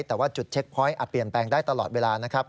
แต่ว่าจุดเช็คพอยต์อาจเปลี่ยนแปลงได้ตลอดเวลานะครับ